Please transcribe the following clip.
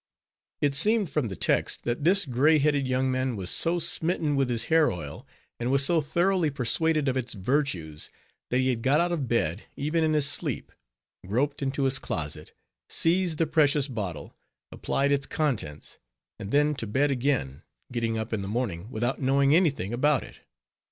_ It seemed from the text, that this gray headed young man was so smitten with his hair oil, and was so thoroughly persuaded of its virtues, that he had got out of bed, even in his sleep; groped into his closet, seized the precious bottle, applied its contents, and then to bed again, getting up in the morning without knowing any thing about it.